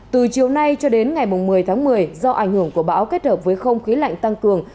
từ chiều nay cho đến ngày một mươi tháng một mươi do ảnh hưởng của bão kết hợp với không khí lạnh tăng cường